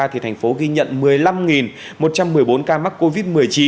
thành phố ghi nhận một mươi năm một trăm một mươi bốn ca mắc covid một mươi chín